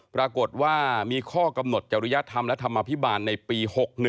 ปรากฏว่ามีข้อกำหนดจริยธรรมและธรรมภิบาลในปี๖๑